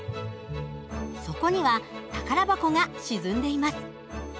底には宝箱が沈んでいます。